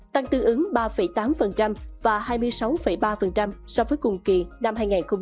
tăng tương ứng ba tám và hai mươi sáu ba so với cùng kỳ năm hai nghìn hai mươi hai